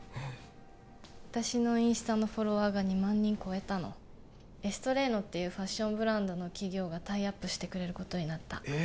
私のインスタのフォロワーが２万人超えたのエストレーノっていうファッションブランドの企業がタイアップしてくれることになったえ